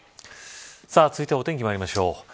続いてお天気まいりましょう。